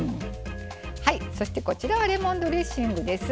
そしてこちらはレモンドレッシングです。